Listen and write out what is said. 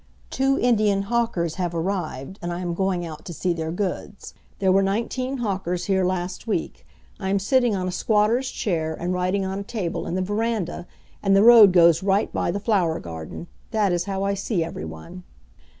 (Two Indian hawkers have arrived, and I am going out to see their goods. There were nineteen hawkers here last week. I am sitting on a squatter's chair and writing on a table in the veranda, and the road goes right by the flower garden. That is how I see everyone.)